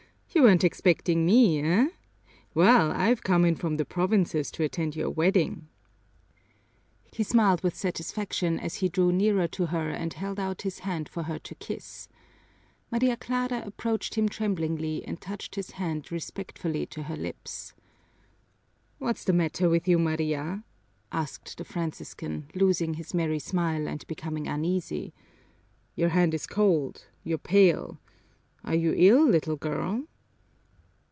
You weren't expecting me, eh? Well, I've come in from the provinces to attend your wedding." He smiled with satisfaction as he drew nearer to her and held out his hand for her to kiss. Maria Clara approached him tremblingly and touched his hand respectfully to her lips. "What's the matter with you, Maria?" asked the Franciscan, losing his merry smile and becoming uneasy. "Your hand is cold, you're pale. Are you ill, little girl?"